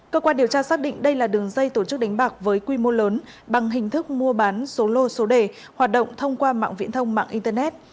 cơ quan điều tra xác định đây là đường dây tổ chức đánh bạc với quy mô lớn bằng hình thức mua bán số lô số đề hoạt động thông qua mạng viễn thông mạng internet